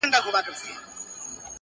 • د میني ترانې وایی پخپل لطیفه ژبه,